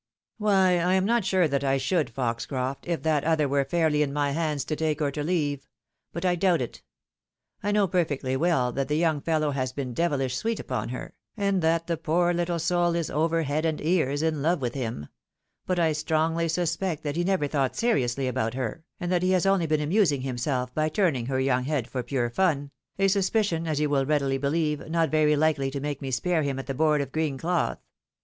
Why, I am not sure that I should, Foxcroft, if that other were fairly in my hands to take or to leave ; but I doubt it. I know perfectly well that the young feUow has been devilish sweet upon her, and that the poor little soul is over head and ears in love with him ; but I strongly suspect that he never thought seriously about her, and that he has only been amusing himself by turning her young head for pure fun — a suspicion, as you wiU readily believe, not veiy likely to make me spare him at the board of green cloth.